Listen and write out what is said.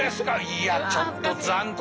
いやちょっと残酷。